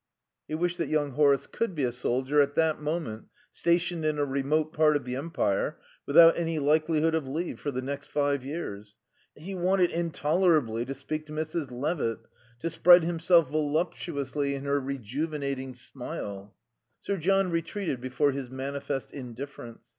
He wished that young Horace could be a soldier at that moment, stationed in a remote part of the Empire, without any likelihood of leave for the next five years. He wanted he wanted intolerably to speak to Mrs. Levitt, to spread himself voluptuously in her rejuvenating smile. Sir John retreated before his manifest indifference.